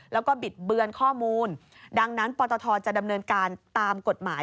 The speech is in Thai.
แล้วก็บิดเบือนข้อมูลดังนั้นปตทจะดำเนินการตามกฎหมาย